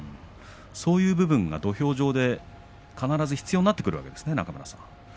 そういう部分が土俵上で必ず必要になってくるんですね。